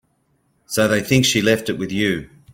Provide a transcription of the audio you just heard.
So they think she left it with you.